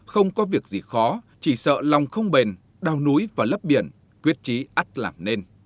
không có việc gì khó chỉ sợ lòng không bền đào núi và lấp biển quyết trí ắt làm nên